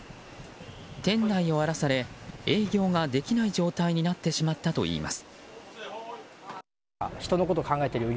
店内を荒らされ営業ができない状態になってしまったといいます。